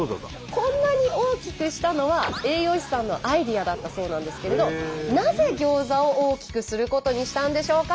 こんなに大きくしたのは栄養士さんのアイデアだったそうなんですけれどなぜギョーザを大きくすることにしたんでしょうか？